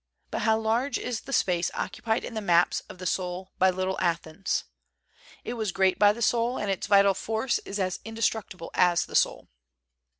... But how large is the space occupied in the maps of the soul by little Athens ! It was great by the soul, and its vital force is as indestructible as the soul."